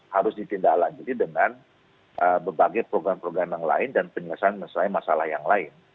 harus ditindaklanjuti dengan berbagai program program yang lain dan penyelesaian masalah yang lain